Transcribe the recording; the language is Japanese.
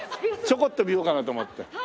ちょこっと見ようかなと思って。